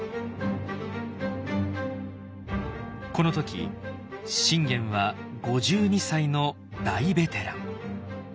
この時信玄は５２歳の大ベテラン。